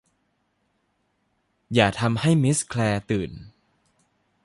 อย่าทำให้มิสแคลร์ตื่น